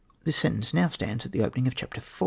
This sentence now stands at the opening of Chapter IV.